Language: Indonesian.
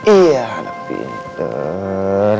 iya anak pinter